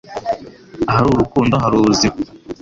Ahari urukundo hari ubuzima.”